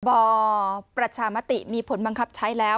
ประชามติมีผลบังคับใช้แล้ว